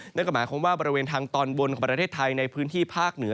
นึกออกมาว่าบริเวณทางตอนบนของประเทศไทยในพื้นที่ภาคเหนือ